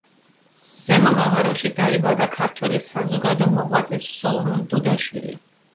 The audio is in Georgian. ზემო მაღაროში დაიბადა ქართველი საზოგადო მოღვაწე სოლომონ დოდაშვილი.